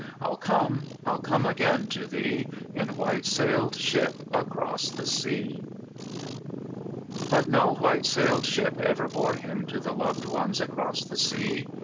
I'll come! Til come again to thee. In '' white sailed ship " across the sea. But no "white sailed ship" ever bore him to the loved ones across the sea.